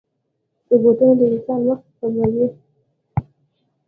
روبوټونه د انسان وخت سپموي.